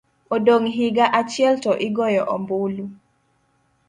Odong' higa achiel to igoyo ombulu.